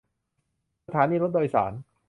สถานีรถโดยสาร